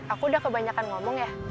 aku udah kebanyakan ngomong ya